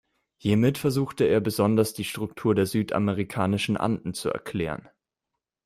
Hiermit versuchte er besonders die Struktur der südamerikanischen Anden zu erklären.